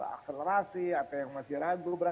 akselerasi atau yang masih ragu